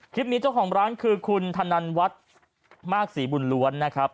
คลิปนี้เจ้าของร้านคือคุณธนันวัฒน์มากศรีบุญล้วนนะครับ